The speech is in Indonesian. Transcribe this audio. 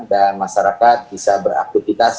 dan masyarakat bisa beraktivitas